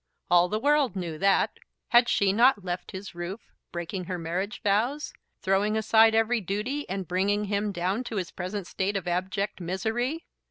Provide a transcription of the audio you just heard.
All the world knew that. Had she not left his roof, breaking her marriage vows, throwing aside every duty, and bringing him down to his present state of abject misery?